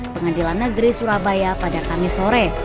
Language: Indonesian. pengadilan negeri surabaya pada kamis sore